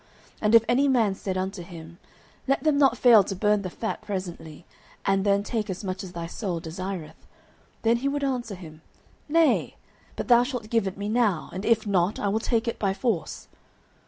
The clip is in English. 09:002:016 And if any man said unto him, Let them not fail to burn the fat presently, and then take as much as thy soul desireth; then he would answer him, Nay; but thou shalt give it me now: and if not, I will take it by force.